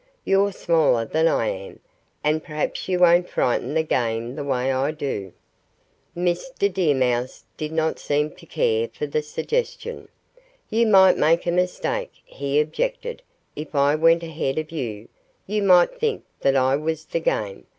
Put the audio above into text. "You're smaller than I am, and perhaps you won't frighten the game the way I do." Mr. Deer Mouse did not seem to care for the suggestion. "You might make a mistake," he objected. "If I went ahead of you, you might think that I was the game.